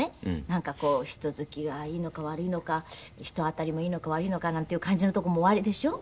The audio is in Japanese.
なんかこう人付きがいいのか悪いのか人当たりもいいのか悪いのかなんていう感じのとこもおありでしょ？